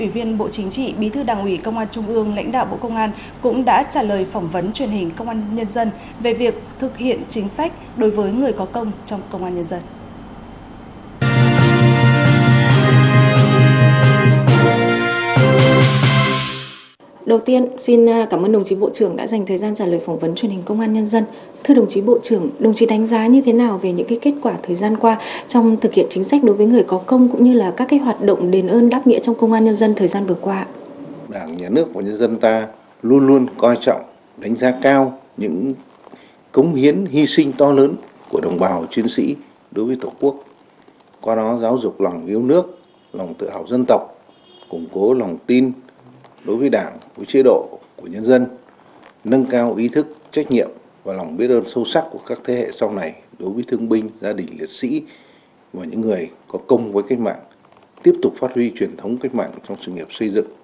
vâng thưa quý vị và cũng nhân dịp này đại tướng tô lâm ủy viên bộ chính trị bí thư đảng ủy công an trung ương lãnh đạo bộ công an cũng đã trả lời phỏng vấn truyền hình công an nhân dân